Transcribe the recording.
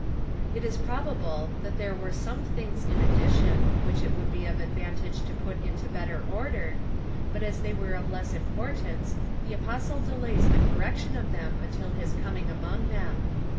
It is j)ro bable, that there were some things in addition, which it would be of advantage to put into better order, but as they were of less importance, the Apostle delays the correction of them until his coming among them.